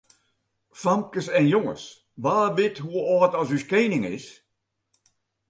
Famkes en jonges, wa wit hoe âld as ús kening is?